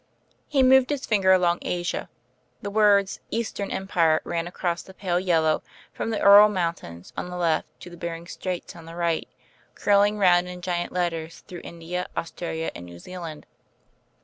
He moved his finger along Asia. The words EASTERN EMPIRE ran across the pale yellow, from the Ural Mountains on the left to the Behring Straits on the right, curling round in giant letters through India, Australia, and New Zealand.